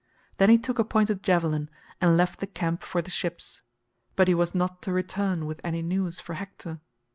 Then he took a pointed javelin, and left the camp for the ships, but he was not to return with any news for Hector.